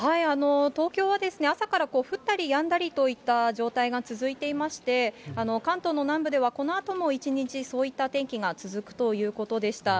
東京は朝から降ったりやんだりといった状態が続いていまして、関東の南部ではこのあとも一日、そういった天気が続くということでした。